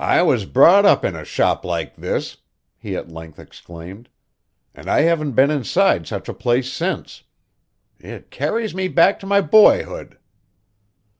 "I was brought up in a shop like this," he at length exclaimed, "and I haven't been inside such a place since. It carries me back to my boyhood."